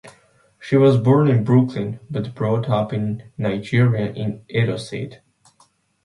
She was born in Brooklyn but brought up in Nigeria in Edo State.